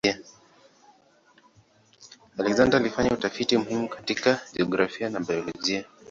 Alexander alifanya utafiti muhimu katika jiografia na biolojia.